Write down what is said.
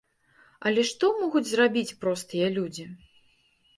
Але што могуць зрабіць простыя людзі?